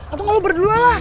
atau lo berdua lah